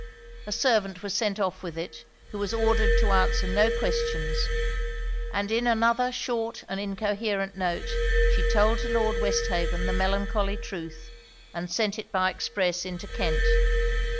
A servant was sent off with it, who was ordered to answer no questions; and in another short and incoherent note she told to Lord Westhaven the melancholy truth, and sent it by express into Kent.